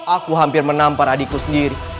aku hampir menampar adikku sendiri